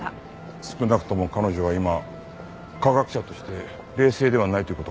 少なくとも彼女は今科学者として冷静ではないという事か。